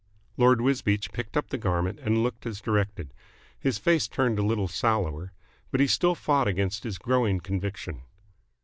'" Lord Wisbeach picked up the garment and looked as directed. His face turned a little sallower, but he still fought against his growing conviction.